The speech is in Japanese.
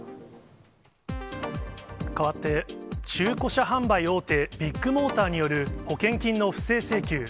かわって、中古車販売大手、ビッグモーターによる保険金の不正請求。